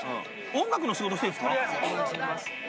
音楽の仕事してるんですか？